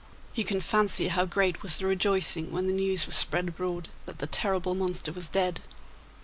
You can fancy how great was the rejoicing when the news was spread abroad that the terrible monster was dead.